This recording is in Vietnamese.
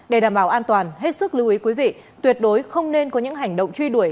để đảm bảo an toàn hết sức lưu ý quý vị tuyệt đối không nên có những hành động truy đuổi